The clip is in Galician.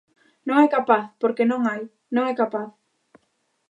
Non é capaz, porque non hai; non é capaz.